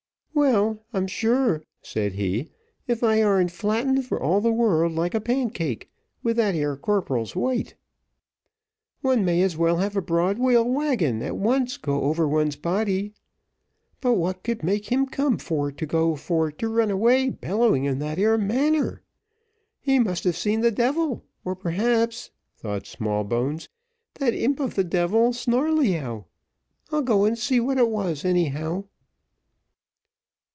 "Well, I'm sure," said he, "if I ar'n't flattened for all the world like a pancake, with that 'ere corporal's weight. One may as well have a broad wheel waggon at once go over one's body; but what could make him come for to go to run away bellowing in that ere manner? He must have seen the devil; or, perhaps," thought Smallbones, "that imp of the devil, Snarleyyow. I'll go and see what it was, anyhow."